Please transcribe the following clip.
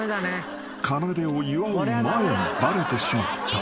［かなでを祝う前にバレてしまった］